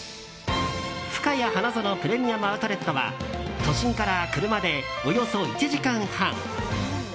ふかや花園プレミアム・アウトレットは都心から車でおよそ１時間半。